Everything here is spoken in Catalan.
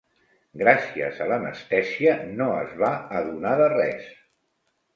Gràcies a l'anestèsia no es va adonar de res.